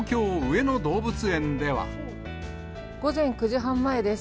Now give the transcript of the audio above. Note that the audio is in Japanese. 午前９時半前です。